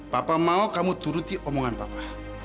papa mau kamu turuti omongan papa